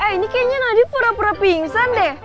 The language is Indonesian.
eh ini kayaknya nadi pura pura pingsan deh